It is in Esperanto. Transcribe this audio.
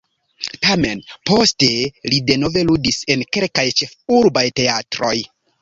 Tamen poste li denove ludis en kelkaj ĉefurbaj teatroj.